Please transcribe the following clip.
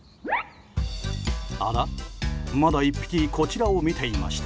あら、まだ１匹こちらを見ていました。